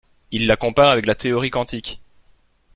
Il la compare avec la Théorie quantique.